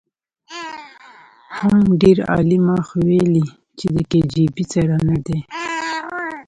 حم ډېر عالي ما خو ويلې چې د کي جي بي سره ندی.